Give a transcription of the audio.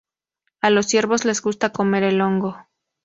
A los ciervos les gusta comer el hongo.